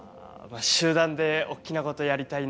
集団でおっきなことやりたいな